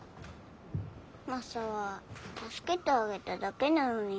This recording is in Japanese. マサは助けてあげただけなのに。